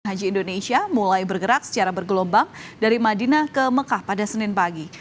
haji indonesia mulai bergerak secara bergelombang dari madinah ke mekah pada senin pagi